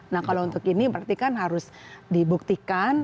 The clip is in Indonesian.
nah kalau untuk ini berarti kan harus dibuktikan